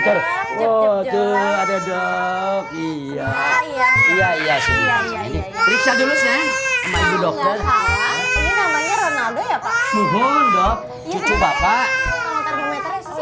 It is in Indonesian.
terima kasih in kwarana